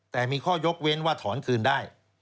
แต่มีข้อยกเว้นว่าถอนคืนได้